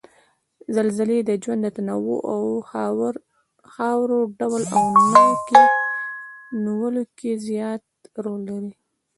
زلزلې د ژوند تنوع او د خاورو ډول او نويولو کې زیات رول لري